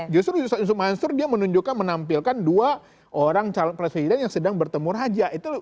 justru yusuf mansur dia menunjukkan menampilkan dua orang calon presiden yang sedang bertemu raja